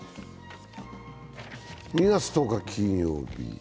２月１０日金曜日。